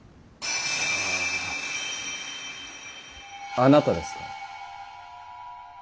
あなたですか？